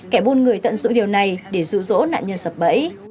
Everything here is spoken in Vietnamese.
kẻ buôn người tận dụng điều này để rụ rỗ nạn nhân sập bẫy